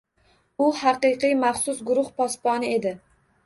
U haqiqiy maxsus guruh posboni edi